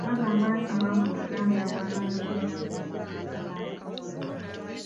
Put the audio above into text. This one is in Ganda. Bagamba nti Mwanga Obuganda yabumalako ennaku mwenda zokka n'atemulwa.